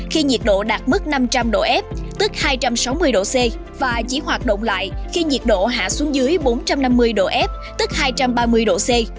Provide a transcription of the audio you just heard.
khi nhiệt độ đạt mức năm trăm linh độ f tức hai trăm sáu mươi độ c và chỉ hoạt động lại khi nhiệt độ hạ xuống dưới bốn trăm năm mươi độ f tức hai trăm ba mươi độ c